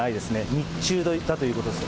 日中だったということです。